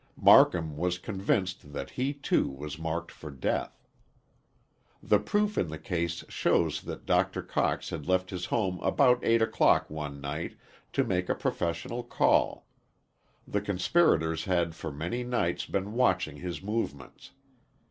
Marcum was convinced that he, too, was marked for death. The proof in the case shows that Dr. Cox had left his home about eight o'clock one night to make a professional call. The conspirators had for many nights been watching his movements.